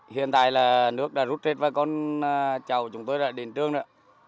hiện tại là nước đã rút hết và con cháu chúng tôi đã đến trường rồi ạ